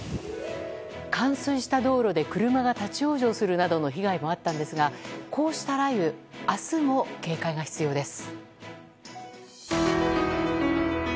冠水した道路で車が立ち往生するなどの被害もあったんですがこうした雷雨、明日も警戒が必要です。